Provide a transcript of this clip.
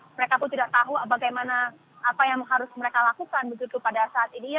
mereka pun tidak tahu bagaimana apa yang harus mereka lakukan begitu pada saat ini